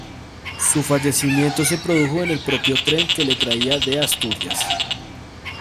Su fallecimiento se produjo en el propio tren que le traía de Asturias.